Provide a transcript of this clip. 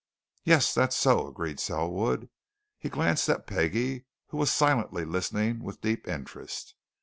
"Yes, that's so," agreed Selwood. He glanced at Peggie, who was silently listening with deep interest.